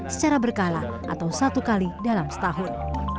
secara berkala atau satu kali dalam setahun